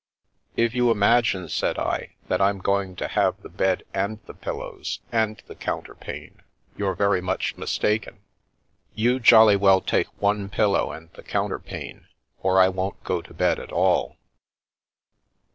" If you imagine," said I, " that I'm going to have the bed and the pillows and the counterpane, you're very much mistaken. You jolly well take one pillow and the counterpane, or I won't go to bed at all."